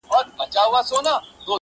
• بې مشاله مي رویباره چي رانه سې-